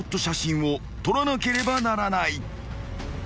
写真を撮らなければならない］